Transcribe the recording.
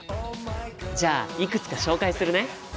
じゃあいくつか紹介するね。